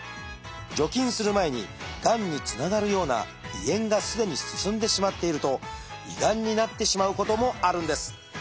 除菌する前にがんにつながるような胃炎がすでに進んでしまっていると胃がんになってしまうこともあるんです。